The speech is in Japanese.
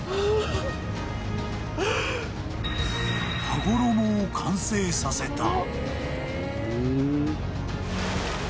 ［羽衣を完成させた］